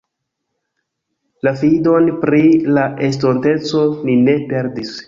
La fidon pri la estonteco ni ne perdis.